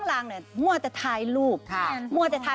กลางแม่นก็คืออันที่นี่